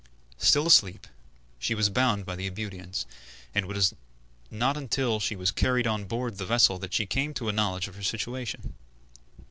Still asleep, she was bound by the Ebudians, and it was not until she was carried on board the vessel that she came to a knowledge of her situation.